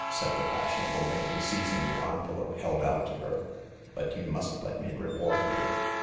" said the fashion able lady, seizing the envelope held out to her ;" but you must let me reward you."